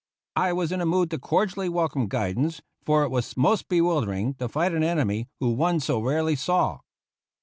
I was in a mood to cordially welcome guidance, for it was most bewildering to fight an enemy whom one so rarely saw.